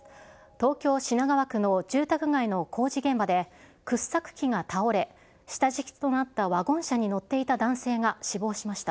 東京・品川区の住宅街の工事現場で、掘削機が倒れ、下敷きとなったワゴン車に乗っていた男性が死亡しました。